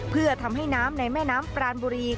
เพื่อทำให้น้ำในแม่น้ำปรานบุรี